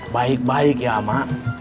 baik baik ya ama